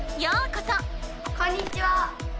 こんにちは！